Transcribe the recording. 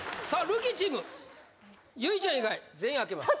ルーキーチーム結実ちゃん以外全員開けます